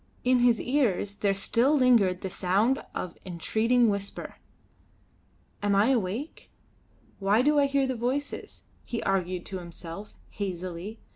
In his ears there still lingered the sound of entreating whisper. "Am I awake? Why do I hear the voices?" he argued to himself, hazily.